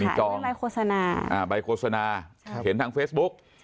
ได้ค่ะมีกรองใบโฆษณาเขียนทางเฟซบุ๊ค